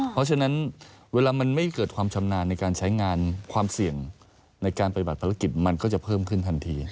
เพราะฉะนั้นเวลามันไม่เกิดความชำนาญในการใช้งานความเสี่ยงในการปฏิบัติภารกิจมันก็จะเพิ่มขึ้นทันที